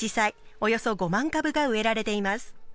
およそ５万株が植えられています。